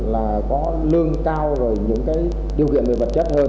là có lương cao rồi những cái điều kiện về vật chất hơn